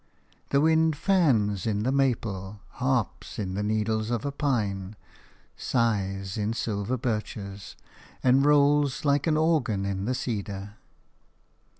The wind fans in the maple, harps in the needles of a pine, sighs in silver birches, and rolls like an organ in the cedar.